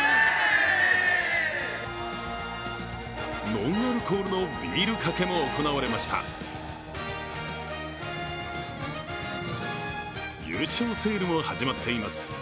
ノンアルコールのビールかけも行われました優勝セールも始まっています。